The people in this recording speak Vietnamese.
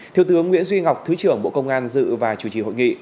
thiếu tướng nguyễn duy ngọc thứ trưởng bộ công an dự và chủ trì hội nghị